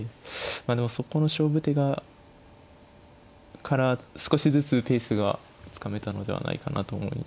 まあでもそこの勝負手から少しずつペースがつかめたのではないかなと思いました。